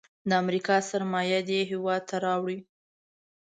د امریکا سرمایه دې هیواد ته راوړي.